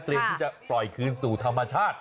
ที่จะปล่อยคืนสู่ธรรมชาติ